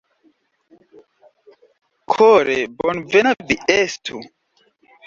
Kore bonvena vi estu!